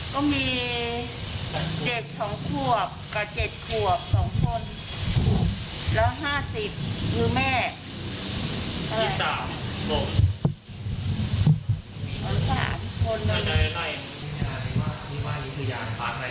ก็มีเด็ก๒ขวบกับ๗ขวบ๒คนแล้ว๕๐คือแม่